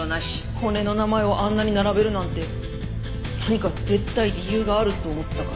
骨の名前をあんなに並べるなんて何か絶対理由があると思ったから。